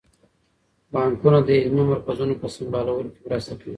بانکونه د علمي مرکزونو په سمبالولو کې مرسته کوي.